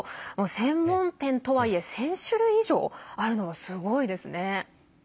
専門店とはいえ１０００種類以上あるのはすごいですね。